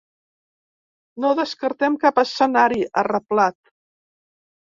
No descartem cap escenari, ha reblat.